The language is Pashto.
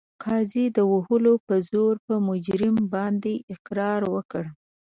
قاضي د وهلو په زور په مجرم باندې اقرار وکړ.